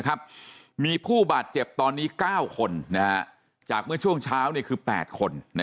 มีผู้บาดเจ็บตอนนี้๙คนจากเมื่อช่วงเช้าคือ๘คน